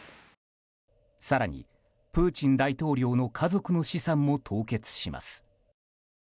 更にプーチン大統領の家族の資産も凍結します。